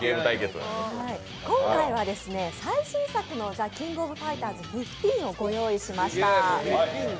今回は最新作の「ザ・キング・オブ・ファイターズ１５」をご用意しました。